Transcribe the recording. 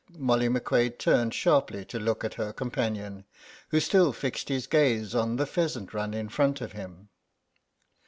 Molly McQuade turned sharply to look at her companion, who still fixed his gaze on the pheasant run in front of him.